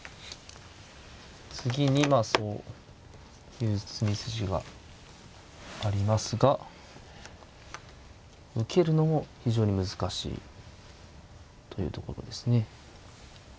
次にまあそういう詰み筋がありますが受けるのも非常に難しいというところですね。